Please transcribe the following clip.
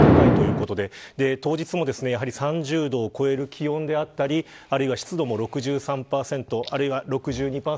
当日も３０度を超える気温であったりあるいは湿度も６３％６２％。